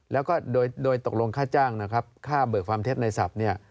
แล้วก็โดยตกลงค่าจ้างค่าเบิกความเท็จในศัพท์